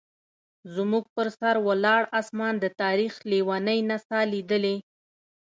زموږ پر سر ولاړ اسمان د تاریخ لیونۍ نڅا لیدلې.